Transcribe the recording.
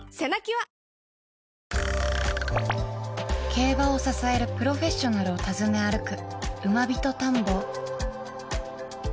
競馬を支えるプロフェッショナルを訪ね歩く